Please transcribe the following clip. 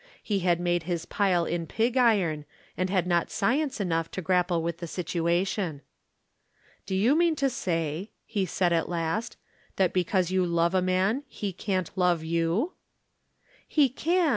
He had made his pile in pig iron, and had not science enough to grapple with the situation. "Do you mean to say," he said at last, "that because you love a man, he can't love you?" "He can.